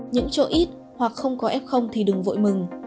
những chỗ ít hoặc không có ép không thì đừng vội mừng